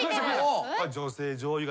女性上位型。